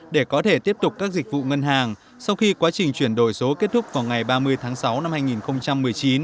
để có thể tiếp tục các dịch vụ ngân hàng sau khi quá trình chuyển đổi số kết thúc vào ngày ba mươi tháng sáu năm hai nghìn một mươi chín